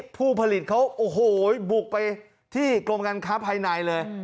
ผู้ผลิตเขาโอ้โหบุกไปที่กรมการค้าภายในเลย